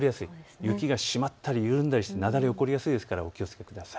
雪がしまったり、緩んだりして雪崩が起こりやすいのでお気をつけください。